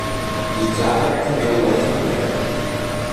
Il club cambiò allora timoniere.